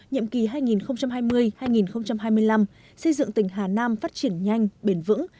nhiệm kỳ hai nghìn hai mươi hai nghìn hai mươi năm xây dựng tỉnh hà nam phát triển nhanh bền vững